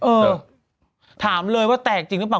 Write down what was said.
เออถามเลยว่าแตกจริงหรือเปล่า